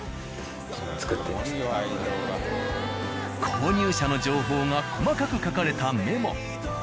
購入者の情報が細かく書かれたメモ。